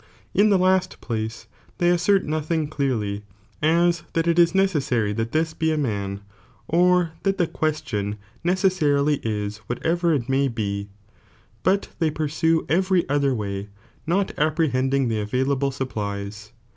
lu the last place, they assert nothing clearly, as that it is necessary that this be a man, oc ' ■bat ihet qtieation necessarily is whatever it may ,., 'M be, but they pursue every other way, not appre n,l° (vue"*" *■ bending ibe available supplies.